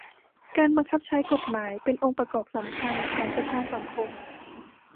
การบังคับใช้กฎหมายเป็นองค์ประกอบสำคัญของประชาสังคม